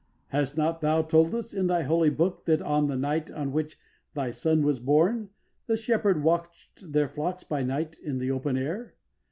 Hast not Thou told us in Thy Holy Book that on the night on which Thy Son was born the shepherds watched their flocks by night in the open air?